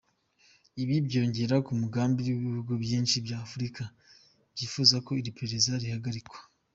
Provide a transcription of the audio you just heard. Ibi byiyongera ku mugambi w’ibihugu byinshi bya Afurika byifuza ko iri perereza rihagarikwa.